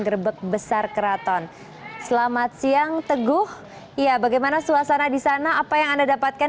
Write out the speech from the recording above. gerbek besar keraton selamat siang teguh ya bagaimana suasana di sana apa yang anda dapatkan